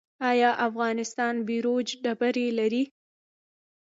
آیا افغانستان بیروج ډبرې لري؟